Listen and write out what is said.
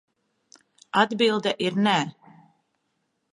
Atbilde ir nē.